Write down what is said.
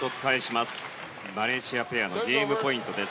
マレーシアペアのゲームポイントです。